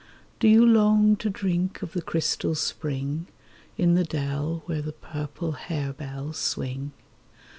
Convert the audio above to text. Do you long to drink of the crystal spring, In the dell where the purple harebells swing